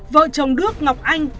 vợ chồng đức ngọc anh